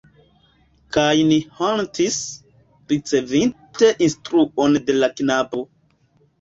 Kaj ni hontis, ricevinte instruon de la knabo.